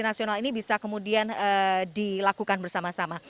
nasional ini bisa kemudian dilakukan bersama sama